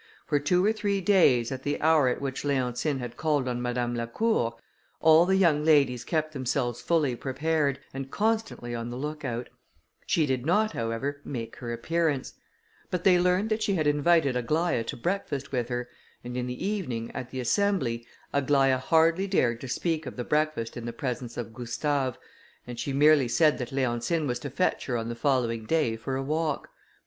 For two or three days, at the hour at which Leontine had called on Madame Lacour, all the young ladies kept themselves fully prepared, and constantly on the look out; she did not, however, make her appearance; but they learned that she had invited Aglaïa to breakfast with her; and in the evening, at the assembly, Aglaïa hardly dared to speak of the breakfast in the presence of Gustave, and she merely said that Leontine was to fetch her on the following day for a walk.